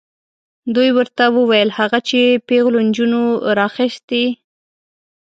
دوی ورته وویل هغه چې پیغلو نجونو راخیستې.